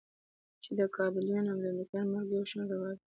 چې د کابليانو او امريکايانو مرګ يو شان روا دى.